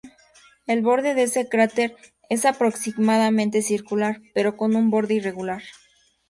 El borde de este cráter es aproximadamente circular, pero con un borde irregular.